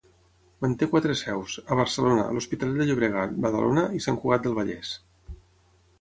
Manté quatre seus: a Barcelona, l'Hospitalet de Llobregat, Badalona i Sant Cugat del Vallès.